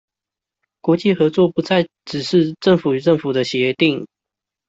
國際合作不再只是政府與政府的協定